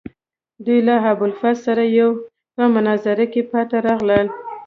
دوی له ابوالفضل سره په مناظره کې پاتې راغلل.